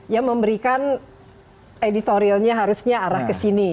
ya memberikan editorialnya harusnya arah kesini